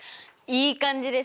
いい感じです。